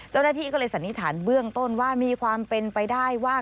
เจ้าหน้าที่ก็เลยสันนิษฐานเบื้องต้นว่ามีความเป็นไปได้ว่า